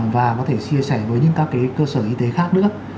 và có thể chia sẻ với những các cơ sở y tế khác nữa